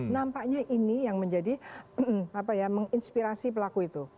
nampaknya ini yang menjadi menginspirasi pelaku itu